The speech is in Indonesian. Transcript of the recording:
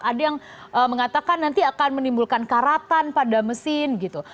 ada yang mengatakan nanti akan menimbulkan karatan pada mesin gitu